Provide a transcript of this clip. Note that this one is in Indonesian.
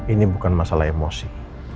ini bukan masalah emosi